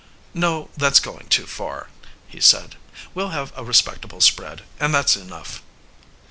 "No, that's going too far," he said. "We'll have a respectable spread, and that's enough."